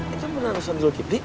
itu benar ustadz julki fli